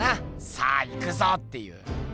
「さあ行くぞ！」っていう。